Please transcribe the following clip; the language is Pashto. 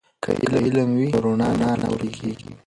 که علم وي نو رڼا نه ورکیږي.